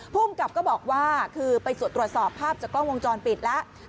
ภูมิกับก็บอกว่าคือไปตรวจสอบภาพจากกล้องวงจรปิดแล้ว